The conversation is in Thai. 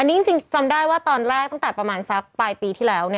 อันนี้จริงจำได้ว่าตอนแรกเมื่อกีดไปประมาณสักสักปลายปีที่แล้ว